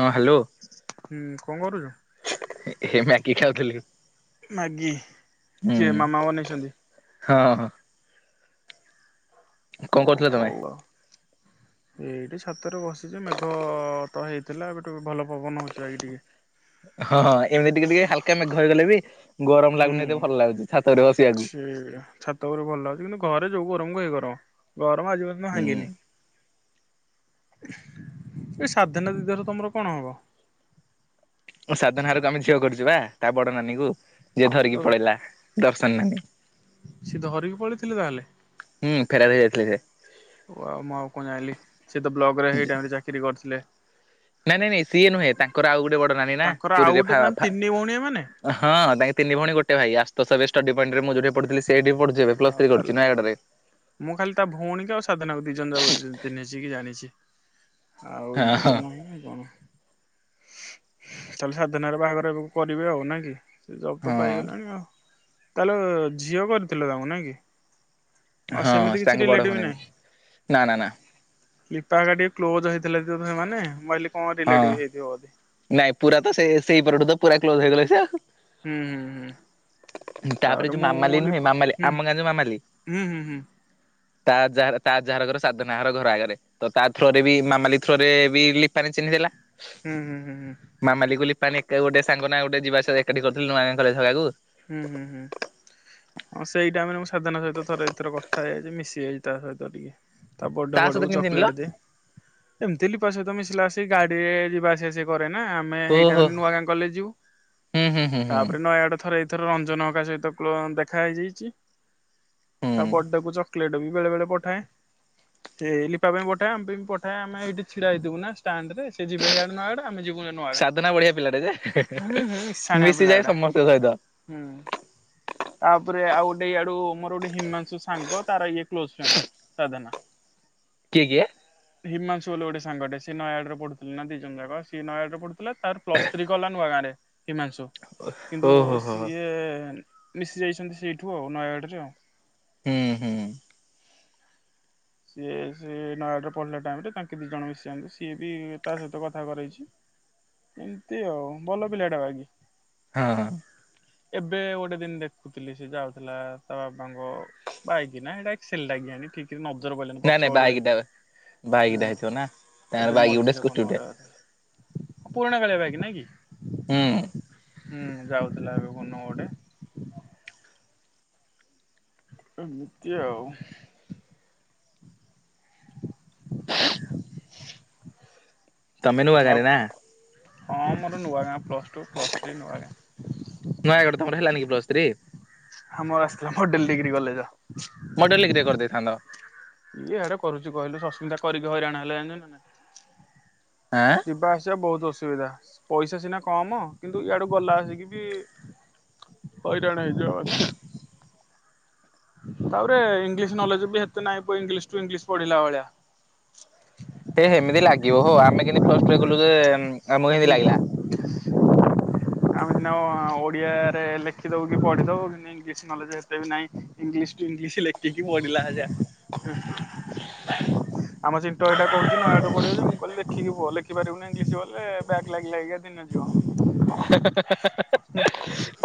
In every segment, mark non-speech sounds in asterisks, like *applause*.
ହଁ ହ୍ୟାଲୋ ହୁଁ କଣ କରୁଛୁ? ଏ ମ୍ୟାଗି ଖାଉଥିଲି। ମାଗି ହୁଁ କିଏ ମାମା ବନେଇଛନ୍ତି? ହଁ ହଁ କଣ ଓ କରୁଥିଲ ହଉ ତମେ? ଆଉ ଏଇଠି ଛାତରେ ବସିଛି ମେଘ ତ ହେଇଥିଲା ଏବେ ଟିକେ ଭଲ ପବନ ହଉଛି ଭକ ଟିକେ ହଁ ଏମିତି ଟିକେ ଟିକେ ହାଲକା ମେଘ ହେଇଗଲେ ବି ଗରମ ହୁଁ ଲାଗୁନି ଏେ ଭଲ ଲାଗୁଛି ଛାତରେ ବସିବାକୁ ସେ ଛାତ ତ ଭଲ ଅଛି କିନ୍ତୁ ଘରେ ଯୋଉ ଗରମକୁ ହେଇ ଗରମ ଗରମ ଆଜି ପର୍ନ୍ତ ଭାଙ୍ଗନି ହୁଁ ଏଇ ସଧୀନ ଦିଧର ତମର କଣ ହବ? ସାଧନ ହାରକୁ ଆମେ ଝିଅ କରୁଛିବା ତା ବଡ ନାନୀ କ ଯିଏ ଓ ଧରିକି ପଳେଇଲା ଦର୍ଶନ ନାନୀ ସିଏ ଧରିକି ପଳେଇଥିଲେ ତାହେଲେ। ହୁଁ ଫେରାତ ହେଇ ଯାଇଥିଲି ସେ ଓ ଆଉ ମୁଁ ଆଉ କଣ ଜହିିଲି ସେ ତ ବ୍ଲକ ରେ ସେଇ ଟାଇମ ରେ ଚାକିରି କରିଥିଲେ ନାଇଁ ନାଇଁ ନାଇଁ ସିଏ ନୁହେଁ ତାଙ୍କର ଆଉ ଗୋଟେ ବଡ ନାନୀ ନା ତାଙ୍କର ଆଉ ପୁରୀରେ ଗୋଟେ ଫା ମାନେ ଫା ତିନି ଭଉଣୀ ଏମାନେ। ହଁ ତାଙ୍କେ ତିନି ଭଣୀ ଗୋଟେ ଭାଇ ଆଶୁତସ ଷ୍ଟଡି ପଏଣ୍ଟରେ ମୁଁ ଯଉଠି ପଢଥିଲି ସେଠି ପ ପ୍ଲସ ଆଉ ଥ୍ରୀ ତାହେଲେ କରୁଛି ନୟାଗଡ଼ ରେ ମୁଁ ଖାଲି ତା ଭଉଣୀ କି ଆଉ ସାଧନାଙ୍କୁ ଦି ଜ ଯାକୁ ଚିହ୍ନଛି କି ଜାଣିଛି। ହଁ ଆଉଇ ଏ ହଁ ତ ନହ କଣ ତାହେଲେ ସାଧିନ ରେ ବାହାଘର ଏବେକୁ କରିବେ ଆଉ ନାଇଁ କି। ସେ ଜବ୍ ତ ହଁ ପାଇଗଲାଣି ଆଉ ତାହେଲେ ଝିଅ କରିଥିଲ ତାଙ୍କୁ ନାଇ କି। ଆଉ ହଁ ସେମିତି ତାଙ୍କ କିଛି ବଡ ରିଲେଟିବ ଭଉଣୀ ନାହିଁ। ନା ନା ନା ଲିପା କା ଟିକେ କ୍ଲୋଜ ହେଇଥିଲା ସେମାନେହିଲି କଣ ହଁ। ରିଲେଟିଭ ହେଇଥିବ ବୋଧେ ନାଇଁ ପୁରା ତ ସେଇ ପରଠୁ ତ ପୁରା କ୍ଲୋଜ ହେଇଗଲେ ସେ ଆଉ ହୁଁ ହୁଁ ହୁଁ ତାପରେ ଯୋଉ ମୁଁ ମାମାଲି ନୁହଁ ଲିପା ମାମାଲି ହୁଁ ଆମ ଗାଁ ଯୋଉ ମାମାଲି ହୁଁ ହୁଁ ହୁଁ ତା ଯାହାର ତା ଯାହାର ଘର ସାଧନାହାର ଘର ଆଗରେ ତ ତା ଥ୍ର ରେ ବି ମାମାଲି ଥ୍ର ରେ ବି ଲିପାନି ଚିହ୍ନି ଦେଲା ହୁଁ ହୁଁ ହୁଁ ହୁଁ ମାାମଲି କୁ ଲିପାନି ଏକା ଗୋଟେ ସାଙ୍ଗ ନା ଗୋଟେ ଯିବା ଆସିବା ଏକାଠି କରିଥିଲେ ନୂଆଁ ଗାଁ କଲୋଜ ହେ ହୁଁ ହୁଁ ହୁଁ ହଁ ସେଇଟା ମାନେ ମୁଁ ସାଧନା ସହିତ ଥରେ ଦି ଥର କଥା ହେଇଯାଇଛି ମିଶିଯାଇଛି ତା ସହିତ ଟିକେ ତାପଡେ ତା ଫଡ ସହିତ କେମିତି ଚିହ୍ନିଲ ଚକଲେଟ ଦେଇ ଏମିତି ଲିପା ମିସିଲା ସହିତ ସେ ଗାଡି ରେ ଯିବା ଆସିବା ଆସେ କରେ ନା ମେ ସେଇ ଓହୋ ଟାଇମରେ ନୂଆ ଗାଁ କଲେ ଯିବୁ ହୁଁ ହୁଁ ହୁଁ ହୁଁ ତାପରେ ନୟାଗଡ ଥରେ ଏଥର ରଞ୍ଜନ ହଙ୍କ ସହିତ ଦେଖା ହେଇଯାଇଛି ତା ହୁଁ। ବଡକୁ କ୍ଲେଟ ବି ବେଳେବେଳେ ପଠାଏ। ଏ ଲିପା ପାଇଁ ପଠାଏ ଆମ ପାଇଁ ପଠାଏ ଆମେ ଏଇଠି ଛିଡା ହେଇଥିବୁ ନାଷ୍ଟାଣ୍ଡ ରେ ସେ ଯିବେ ଏଇଆଡେ ନୂଆଡା ଆମେ ଯିବୁ ନା ସାଧନା ବଢିଆ ପିଲାଟେ ଯେ ନୂଆଡା ହୁଁ ହୁଁ ମିଶାଣଆ ପିଲା ଆଡା ତ ସହିତ ହୁଁ ତାପରେ ଆଉ ଗୋଟେ ଇଆଡୁ ମୋର ଗୋଟେ ହିମାଂଶୁ ସାଙ୍ଗ ତାର ଇଏ କ୍ଲୋଜ ଫ୍ରେଣ୍ଡ ସାଧନା କିଏ କିଏ? ହିମାଂଶୁ ବୋଲି ଗୋଟେ ସାଙ୍ଗ ଟେ ସଏ ନୟାଡରେ ପଢୁଥିଲେ ନା ଦି ଜ ଯାକ ସଏ ନୟାଡରେ ପଢୁଥିଲେ ଲା ତାର ପ୍ଲସ୍ ଥ୍ରୀ କଲା ନୁ ଗାଁରେ ହିମାଂଶୁ କିନ୍ତୁ ଓହୋ ହୋ ହୋ ସିଏ। ମିଶି ଯାଇଛନ୍ତି ସେଇଠୁ ଆଉ ନୟାଗଡ଼ରେ ଆଉ ହୁଁ ହୁଁ। ସିଏ ସେ ନୟାଡରେ ପଢିଲା ଟାଇମରେ ତାଙ୍କେ ଦି ଜଣ ମିଶି ଯାଆନ୍ତି ସିଏ ବି ତା ସହିତ କଥା କରେଇଛି। ଏମିତି ଆଉ ଭଲ ପିଲାଟା ବାକି ହଁ। ଏବେ ଗୋଟେ ଦିନ ଦେଖୁଥିଲି ସେ ଯାଉଥିଲା ତା ବାବାଙ୍କ ବାଇକିି ନା ଏଇଟା ଏକ୍ସସେଲଟା ଲାଗି ଆଣିିକ ନ ନାଇଁ ନାଇଁ ବାଇକ୍ ହଁ। ବାଇକଟା ହେଇଥିବ ନା ତାଙ୍କର ବାଇକ ଗୋଟେ ସ୍କୁଟି ଗୋଟେ ପୁରୁଣାକାଳିଆ ବାଇକି ନାଁ କି? ହୁଁ। ହୁଁ ଯାଉଥିଲା ଏବେ କୋଉଦିନ ଗୋଟେ। ଏମିତି ଆଉ ତମେ ନୁଆ ଆଉ ଗାଆଁରେ ନା? ହଁ ମୋର ନୂଆ ଗାଁ plus two plus three Nuagaon. Nayagarh ତମର ହେଲାନି କି ପ୍ଲସ ଥ୍ରୀ? ଆମର ଆସିଥିଲା ମଡେଲ ଡିଗ୍ରୀ କଲେଜ। ମଡେଲ ଡିଗ୍ରୀରେ କରିଦେଇଥାନ୍ତ। ଇଏହାର କରୁଛି କହିଲୁ ଶସ୍ମିତା କରିକି ହଇରାଣ ହେଲା ନା ନା। ଆଁ ଯିବା ଆସିବା ବହୁତ ଅସୁବିଧା ପଇସା ସିନା କମ କିନ୍ତୁ ଇଆଡୁ ଗଲା ଆସିକି ବି ହଇରାଣ ହେଇଯିବ ଅଯଥା ତାପରେ ଇଂଲିଶ ନଲେଜ ବି ଏତେ ନାଇଁ ପ ଇଂଲିଶ ଟୁ ଇଂଲିଶ ପଢିଲା ଭଳିଆ। ହେ ସେମିତି ଲାଗିବ ହଉ ଆମେ କେମତି ପ୍ଲସ୍ ଟୁରେ କଲୁ ଯେ ଆମକୁ ହେମିତି ହୁଁ। ଲାଗିଲା। ଆମେ ସିନା ଓଡିଆରେ ଲେଖିଦବୁ କି ପଢି ଦବୁ କି ଇଂଲିସ ନଲେଜ ଏତେ ବି ନାଇଁ ଇଂଲିସ ଟୁ ଇଂଲିଶ ଲେଖିକି ପଢିଲା ଭଳିଆ। ଆମ ଚିଣ୍ଟୁ ଏଇଟା କହୁଛି ନୟାଗଡ଼ରେ ପଢିବଛି ମୁଁ କହିଲି ଲେଖ ଲେଖିପାରିବନି ଇଂଲିଶ କଲେ। ବ୍ୟାକ ଲାଗି ଲାଗିକା ଦିନ ଯିବ।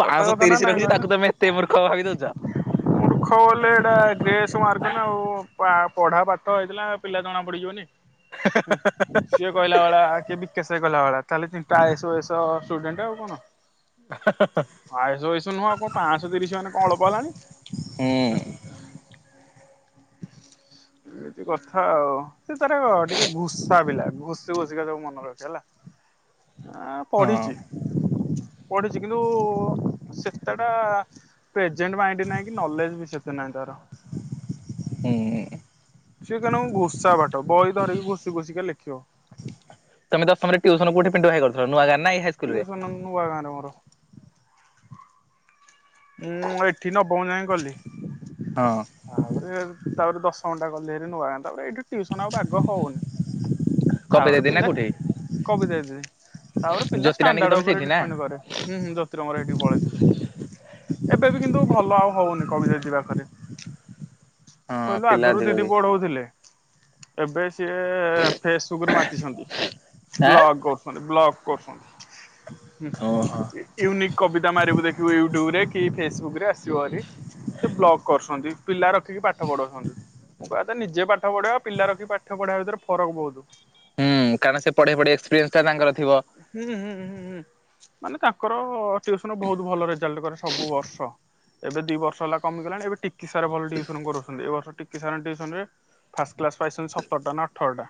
ସତ କଥା ନା ତିରିଶ ରଖିଛି ତାକୁ ତମେ ଏତେ ମୂର୍ଖ ଭାବି ଦଉଛ? ହ ମୁର୍ଖ ବୋଲେ ଏଟା ଗ୍ରେସ୍ ମାର୍କ ନା ଆଉ ପା ପଢ଼ା ପାଠ ହେଇଥିଲା ପିଲା ଜଣାପଡ଼ିଯିବନି। ସିଏ କହିଲା ଭଳିଆ କିଏ ବିକାଶ ଗଲା ଭଳିଆ ତାଲେ ତିନିଟା ଆଏସ ଓଏସ ଷ୍ଟୁଡେଣ୍ଟ ଆଉ କଣ? ହେ ହା ହା। ଆଇସ ଏଇଶ ନୁହଁ କଣ ପାଞ୍ଚଶହ ତିରିଶ ମାନେ କଣ ଅଳ୍ପ ହେଲାଣି? ହୁଁ। *inaudible* ଏମିତି କଥା ଆଉ ସେ ତାର ଟିକେ ଘୁସା ପିଲା ଘୁଷି ଘୁଷିକା ସବୁ ମନେ ରଖେ ହେଲା। ଆ ହଁ ପଢିଛି ପଢିଛି କିନ୍ତୁ ସେତେଟା ପ୍ରେଜେଣ୍ଟ ମାଇଣ୍ଡ ନାହିଁ କି ନଲେଜ ବି ସେତେ ନାହିଁ ତାର। ହୁଁ। ସିଏ କଣ ଘୁଷା ପାଠ ବହି ଧରିକି ଘୁଷି ଘୁଷିକା ଲେଖିବ। ତମେ ଦଶମରେ ଟ୍ୟୁସନ କୋଉଠି ପିଣ୍ଟୁ ଭାଇ କରୁଥିଲ ନୂଆ ଗାଁରେ ନା ଏଇ ହାଇସ ଟ୍ୟୁସନ ନୂଆ ଗାଁ ରେ ମୋର। ମୁଁ ଏଠି ନବମ ଯାଏ କଲି। ହଁ। ତା ତାପରେ ଦଶମଟା ଗଲିଭାରି ନୂଆ ଗାଁ ତାପରେ ଏଇଠି ଟ୍ୟୁସନ ଆଉ ବାଗ ହଉନି। କବି ତାପରେ ଦିଦି ନା ପିଲା କୋଉଠି? କବିତା ଦିଦି ତାପରେ ପିଲା ଜ୍ୟୋତି ନାନୀକି ଷ୍ଟାଣ୍ଡାଡ ତମେ ଉପରେ ସେଇଠି ନା? ଡିପେଣ୍ଡ କରେ। ଆମର ଏଠି ପଳେଇଥିଲୁ। ଏବେ ବି କିନ୍ତୁ ଭଲ ଆଉ ହଉନି କବିତା ଦିଦି ପାଖରେ। ହଁ କହିଲୁ ପିଲା ଆଗରୁ ଅଧିକ ଦିଦି କି ପଢଉଥିଲେ। ଏବେ ସିଏ ଫେସବୁକରେ ମାତିଛନ୍ତି ଆଁ ବ୍ଲଗ ବ୍ଲଗ୍ କରୁଛନ୍ତି ଓହୋ। ୟୁନିକ୍ କବିତା ମାରିବୁ ଦେଖିବୁ ୟୁଟୁବରେ। କି ଫେସବୁକରେ ଆସିବଭାରି ସେ ବ୍ଲଗ କରୁଛନ୍ତି ପିଲା ରଖିକି ପାଠ ପଢ଼ଉଛନ୍ତି। ମୋ କହିବା କଥା ନିଜେ ପାଠ ପଢେଇବା ପିଲା ରଖିକି ପାଠ ପଢିବା ଭିତରେ ଫରକ ବହୁତ। ହୁଁ କାରଣ ସେ ପଢ଼େଇ ପଢେଇ ଏକ୍ସପିରିନ୍ସଟା ତାଙ୍କ ଥିବ। ହୁଁ ହୁଁ ହୁଁ ହୁଁ। ମାନେ ତାଙ୍କର ଟିୟୁସନ୍ ବହୁତ ଭଲ ରେଜଲ୍ଟ କରେ ସବୁ ବର୍ଷ। ଏବେ ଦି ବର୍ଷ ହେଲା କମିଗଲାଣି ଏବେ ଟିକିସାର ଭଲ ଟିୟୁସନ କରଉଛନ୍ତି ଏ ବର୍ଷ ଟିକିସାର ଟିୟୁସନ ରେ ଫାର୍ଷ୍ଟ କ୍ଲାସ ପାଇଛନ୍ତି ସତର ଟା ନା ଅଠରଟା।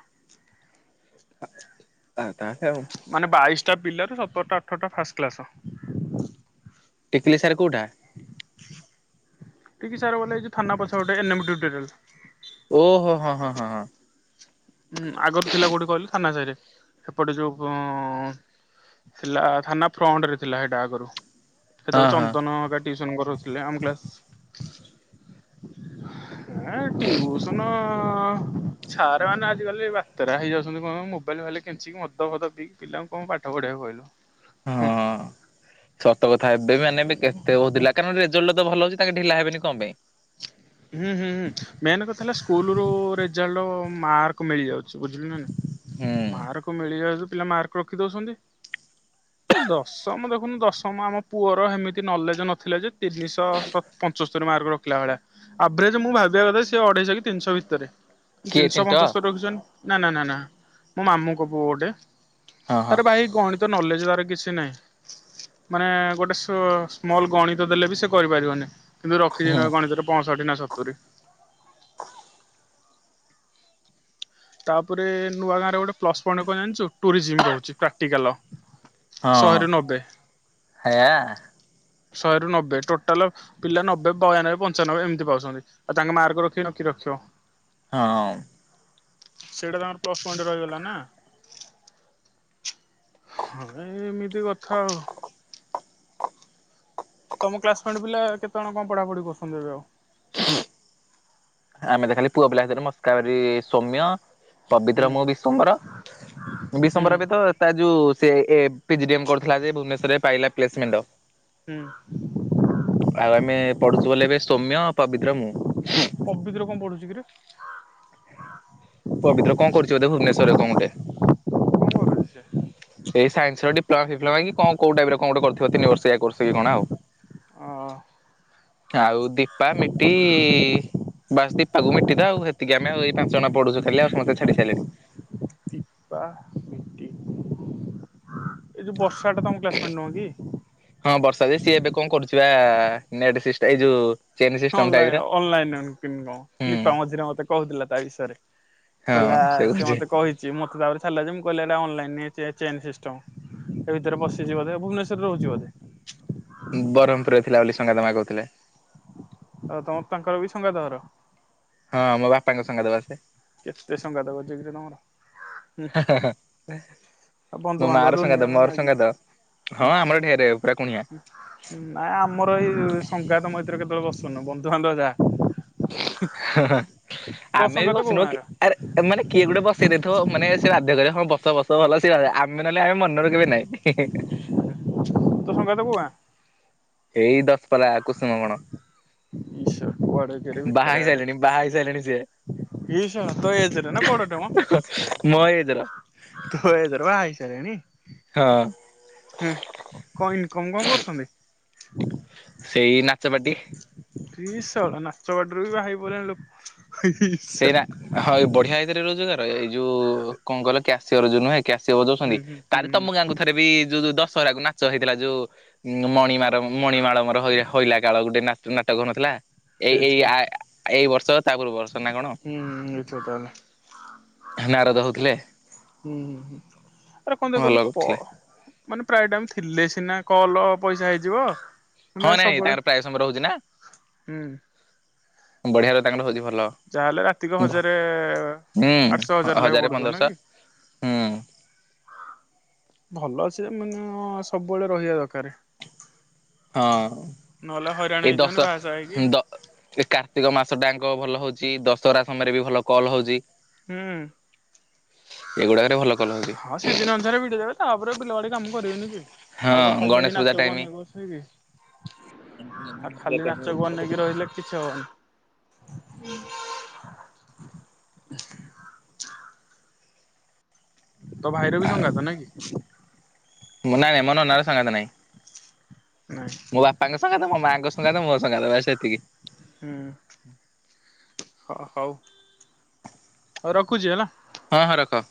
ଆଉ ତା ସେ ଆଉ। ମାନେ ବାଇଶଟା ପିଲାରୁ ସତରଟା ଅଠରଟା ଫାଷ୍ଟ କ୍ଲାସ। ଟିକିଲି ସାର୍ କୋଉଟା। ଟିକି ସାର୍ ଗୋଟେ ଏଇ ଥାନା ପଛ ପଟେ *unintelligible* ଓ ହୋ ହଁ ହଁ ହଁ ହଁ। ଉଁ ଆଗରୁ ଥିଲା କୋଉଠି କହିଲୁ ଥାନା ସାହିରେ ସେପଟେ ଯୋଉ ଥିଲା ଥାନା ଫ୍ରଣ୍ଟ ରେ ଥିଲା ସେଇଟା ଆଗରୁ ହଁ ସେତେବେଳେ ଚନ୍ଦନ କା ଟ୍ୟୁସନ କରଉଥିଲେ ଆମ କ୍ଲାସ ଏ ଟ୍ୟୁସନ ସାର୍ ମାନେ ଆ ଆଜି କାଲି ବାତେ ହେଇଯାଉଛନ୍ତି କଣ ମୋବାଇଲ ଭାଲି କେଞ୍ଚିକି ମଦ ଫଦ ପିକି ପିଲାଙ୍କୁ କଣ ପାଠ ପଢେଇବ କହିଲ। ହଁ ହୁଁ। ହଁ। ସତ କଥା ଏବେ ବି ମାନେବେ କେତେ ହଉଥିଲା କାରଣ ରେଜଲ୍ଟ ତ ଭଲ ହଉଛି ତାଙ୍କ ଢିଲା ହେବେନି କଣ ପାଇଁ। *inaudible* ହୁଁ ହୁଁ ହୁଁ ମେନ୍ କଥା ହେଲା ସ୍କୁଲ ରୁ ରେଜଲ୍ଟଟ ମାର୍କ ମିଳିଯାଉଛି ବୁଝିଲୁ ନା। ହୁଁ। ହାରକୁ ମିଳି ଯାଉଛି ପିଲା ମାର୍କ ରଖି ଦଉଛନ୍ତି। ଦଶମ ଦେଖୁନୁ ଦଶମ ଆମ ପୁଅର ଏମିତି ନଲେଜ ନଥିଲା ଯେ ତିନିଶହ ସତ୍ ପଞ୍ଚସ୍ତରୀ ମାର୍କ ରଖିଲା ଭଳିଆ ଆଭରେଜ ମୁଁ ଭାବିବା କଥା ସିଏ ଅଢେଇଶହ କି ତିନିଶହ ଭିତରେ। କିଏ ତିନିଶହ ଚିଣ୍ଟ ପଞ୍ଚସ୍ତର ରଖିଛନ୍ତି ନା ନା ନା ନା। ମୋ ମାମୁଙ୍କ ପୁଅ ଗୋଟେ ହଁ ହଁ ତାର ଭାଇ ଗଣିତ ନଲେଜ ତାର କିଛି ନାହିଁ। ମାନେ ଗୋଟେ ସୋ ସ୍ମଲ ଗଣିତ ଦେଲେ ବି ସେ କରିପାରିବନି। କିନ୍ତୁ ରଖିଛି ହୁଁ ନା ଗଣିତରେ ପଅଁଷଠି ନା ସତୁରି। ତାପରେ ନୂଆ ଗାଁରେ ଗୋଟେ ପ୍ଲସ୍ ପଏଣ୍ଟ କଣ ଜାଣିଛୁ ଟୁରିଜିମ ରହୁଛି ପ୍ରାକ୍ଟିକାଲ। ହଁ ଶହେରୁ ନବେ ହାୟା। ଶହେରୁ ନବେ ଟୋଟାଲ ପିଲା ନବେ ବୟାନବେ ପଞ୍ଚାନବେ ଏମିତି ପାଉଛନ୍ତି। ଆଉ ତାଙ୍କ ମାର୍କ ରଖିବ ନା ଆଉ କିଏ ରଖିବ। ହଁ। ସେଇଟା ତ ଆମର ପ୍ଲସ ପଏଣ୍ଟ ରହିଗଲା ନା। ହଁ ଏ ଏମିତି କଥା ଆଉ। ତମ କ୍ଲାସମେଣ୍ଟ ପିଲା କେତେ ଜଣ କଣ ପଢା ପଢି କରୁଛନ୍ତି ଏବେ ଆଉ। ଆମେ ତ ଖାଲି ପୁଅ ପିଲା ଭିତରେ ମସ୍କାରି ସୌମ୍ୟ। ହୁଁ ପବିତ୍ର ମୁଁ ବିଶୁମ୍ବର ହୁଁ ବିଶୁମ୍ବର ବି ତ। ତା ଯୋଉ ସେ ଏ ପିଜୀଡିମ୍ କରୁଥିଲା ଯେ ଭୁବନେଶ୍ୱରରେ ପାଇଲା ପ୍ଲେସମେଣ୍ଡୋ। ହୁଁ। ଆଉ ଆମେ ପଢୁଥିଲୁ ଏବେ ସୌମ୍ୟ ପବିତ୍ର ମୁଁ। ପବିତ୍ର କଣ ପଢୁଛି କିରେ। ପବିତ୍ର କଣ କରୁଚି ବୋଧେ ଭୁବନେଶ୍ୱର ରେ କଣ ଗୋଟେ। କଣ କରୁଛି ସେ? ଏ ସାଇନ୍ସ ର ଡି୍ପଲମା ଫିପ୍ଲମା କି କଣ କୋଉ ଟାଇପର କଣ ଗୋଟେ କରୁ ଥିବ ତିନି ବର୍ଷକିଆ କୋର୍ସ କି କଣ ଆଉ। ହ। ଆଉ ଦୀପା ମିଟି ଇ ବାସ୍ ଦିପାକୁ ମିଟି ତ ଆଉ ହେତିକି ଆମେ ଏଇ ପାଞ୍ଚ ଜଣ ପଢୁଚୁ ଖାଲି ଆଉ ସମସ୍ତେ ଛାଡି ସାରିଲେଣି। ଦୀପା ମିଟି ଏ ଯୋଉ ବର୍ଷା ଟା ତମ କ୍ଲାସମେଟ ନୁହଁ କି? ହଁ ବର୍ଷା ଯେ ସିଏ ଏବେ କଣ କରୁଛି ବା ନେଟ ସିଷ୍ଟ୍ ଏଇ ଯୋଉ ଚେନ୍ ସିଷ୍ଟମ ଟାଇପ୍ ଅନଲାଇ ର। ଅନଲାଇନ କେମିତି ହୁଁ କଣ ଲିପା ମଝିରେ ମତେ କହୁଥିଲା ତା ବିଷୟରେ। ହଁ କହିଲା ସେ ସିଏ କହୁଛି ମତେ କହିଛି ମତେ ତାପରେ ଛାଡ଼ିଲା ଯେ ମୁଁ କହିଲି ଅନଲାଇନ ଚେ ଚେନ୍ ସିଷ୍ଟମ। ଏ ଭିତରେ ପଶିଛି ବୋଧେ ଭୁବନେଶ୍ୱରରେ ରହୁଛି ବୋଧେ। ବ୍ରହ୍ମପୁରରେ ଥିଲା ବୋଲି ସଙ୍ଗାତ ମା କହୁଥିଲେ। ଆଉ ତମର ତାଙ୍କର ବି ସଙ୍ଗାତ ଘର। ହଁ ମୋ ବାପାଙ୍କ ସଙ୍ଗାତ ପା ସେ। କେତେ ସଙ୍ଗାତ କରିଚ କିରେ ତମର। ହୁଁ ହା ହା। ଆଉ ମୋ ମା ବନ୍ଧୁବାନ୍ଧବ ର ଦୁନିଆ ସଙ୍ଗାତ ମୋର ନାକି। ସଙ୍ଗାତ ହଁ ହୁଁ ଆମର ଢେର୍ ପୁରା କୁଣିଆ। ନାଇଁ ଆମର ଏଇ ସଂଘାତ ମଝିରେ କେତେବେଳେ ବସୁନୁ ବନ୍ଧୁବାନ୍ଧବ ଯାହା। ହା ହା ତୋ ଆମେ ବି ସଙ୍ଗାତ କୋଉ ବସିନୁ ଗାଁର କି ଆରେ ଆ ମାନେ କିଏ ଗୋଟେ ବସେଇ ଦେଇଥିବ ମାନେ ସେ ବାଧ୍ୟ କରିବ ହଁ ବସ ବସ ଭଲ ସେ ଆ ନ ନେହେଲେ ଆମେ ମନରେ କେବେ ନାଇ। ତୋ ସଙ୍ଗାତ କୋଉ ଗାଁ? ଏଇ ଦଶପଲା କସୁମ ବଣ। ଆଛା କୁଆଡେ କିରେ ବାହା ଭିତର ହେଇ ଆଡେ। ସାରିଲେଣି ବାହା ହେଇ ସାରିଲେଣି ସିଏ। ଇଏ ସଳା ତୋ ଏଜର ନା ବଡ ଟେ ମ? ମୋ ଏଜ ର ତୋ ଏଜର ବାହା ହେଇସାରିଲାଣୀ। ହଁ। ହୁଁ କଣ ଇନକମ କଣ କରୁଛନ୍ତି? ସେଇ ନାଚପାଟି। ଇ ଶଳା ନାଚ ପାଟିରୁ ବି ବାହା ହେଇଗଲେଣି ଲୋକ ଇ ସେଇ ସ ନା ହଁ ଏଇ ବଢିଆ ଏଇଥିରେ ରୋଜଗାର ଏଇ ଯୋଉ କଣ କହିଲେ କ୍ୟାସିୟର ଯୋଉ ନୁହେଁ କ୍କ୍ୟସିଓ ବଜଉଛନ୍ତି ହୁଁ ହୁଁ ହୁଁ ଆରେ ତମ ହୁଁ ଗାଁ ଙ୍କୁ ଥରେ ବି ଯୋ ଯୋଉ ଦଶହରାକୁ ନାଚ ହେଇଥିଲା ଯୋଉ ଉ ମଣିମା ମଣିମାଳମର ହଇ ହଇଲା କାଳ ଗୋଟେ ନାଟ ନାଟକ ନଥିଲା। ଏଇ ଏଇ ହେଇଥିବ ଆ ଏଇ ବର୍ଷ ତା ପୂର୍ବ ବର୍ଷ ନା କଣ। ହୁଁ ହୁଁ ହେଇଥିବ ନାରଦ ତାହେଲେ। ହଉଥିଲେ ହୁଁ ହ ହୁଁ ଆରେ କଣ ଦେଖି ଭଲ କହିଲୁ ପ କରୁଥିଲେ। ମାନେ ପ୍ରାୟ ଟାଇମ୍ ଥିଲେ ସିନା କଲ ପଇସା ହେଇଯିବ। ମାନେ ହଁ ନାଇଁ ସବୁବେଳେ ତାଙ୍କର ପ୍ରାୟ ସମୟ ରହୁଛି ନା ହୁଁ ବଢିଆ ର ତାଙ୍କର ହୋଉଛି ଭଲ। ଯାହାହେଲେ ରାତିକ ହଜାରେ ହୁଁ ଆଠଶହ ହଜାର ଲେଖା ହଜାରେ ପଡୁଥିବ ନାଇ ପନ୍ଦରଶହ କି? ହୁଁ ଭଲ ସେ ମାନେ ସବୁବେଳେ ରହିବା ଦରକାର। ହଁ। ନହେଲେ ହଇରାଣ ଏଇ ଦଶ ହେଇଯିବନି ବାହାସାହା ହେଇକି। ଦ ଏ କାର୍ତ୍ତିକ ମାସ ଟାଙ୍କ ଭଲ ହଉଛି ଦଶହରା ସମୟରେ ବି ଭଲ କଲ୍ ହଉଛି। ହୁଁ ଏଗୁଡାକରେ ଭଲ କଲ ହଉଛି। ସାରେ ଭିଡ଼ିଓ ଦେବେ। ତାପରେ ବିଲ ବାଡି କାମ କରିବେନି କି। ହଁ ଆଉ କଣ ଫାଲି ହେଇ ଗଣେଶ ପୂଜା ନାଚକୁ ଟାଇମ ଅନେଇକି ବସିବେ। ଆଉ ଖାଲି ନାଚକୁ ଅନେଇକି ରହିଲେ କିଛି ହବନି। ହ ତୋ ଭାଇର ବି ସଙ୍ଗାତ ନାଇ କି। ନାଁ ନାଇ ମୋ ନନାର ସଙ୍ଗାତ ନାହିଁ। ନାଇଁ ମୋ ବାପାଙ୍କ ସଙ୍ଗାତ ମୋ ମାଆଙ୍କ ସଙ୍ଗାତ ମୋ ସଙ୍ଗାତ ଭାଇ ସେତିକି। ହୁଁ ହଁ ହଉ। ହୋଉ ରଖୁଛି ହେଲା। ହଁ ହଁ ରଖ।